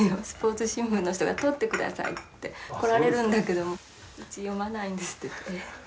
スポーツ新聞の人が取ってくださいって来られるんだけども「うち読まないんです」って言うと「えっ？」